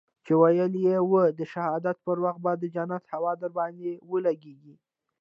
چې ويلي يې وو د شهادت پر وخت به د جنت هوا درباندې ولګېږي.